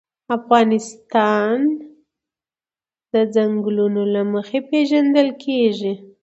افغانستان د چنګلونه له مخې پېژندل کېږي.